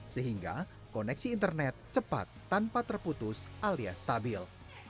sehingga koneksi internet cepat tanpa terputus alias stabil